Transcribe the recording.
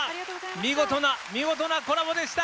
見事な見事なコラボでした！